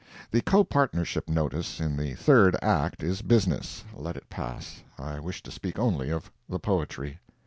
The copartnership notice in the third act is business—let it pass—I wish to speak only of the poetry.